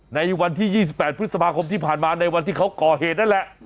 ในวันที่๒๘พฤษภาคมที่ผ่านมาในวันที่เขาก่อเหตุนั่นแหละ